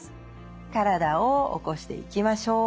体を起こしていきましょう。